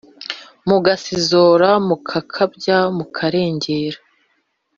mugasizora: mugakabya; mukarengera.